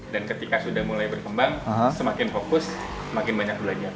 dan ketika sudah mulai berkembang semakin fokus semakin banyak belajar